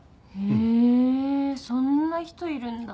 へえそんな人いるんだ。